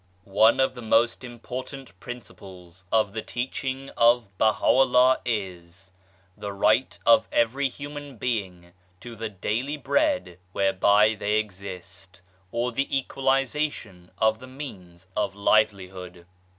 /"\NE of the most important principles of the Teaching ^ of Baha'u'llah is : The Right of every human being to the daily Bread whereby they exist, or The Equalisation of the Means of Livelihood.